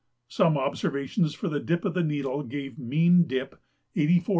Some observations for the dip of the needle gave mean dip 84° 47' 3".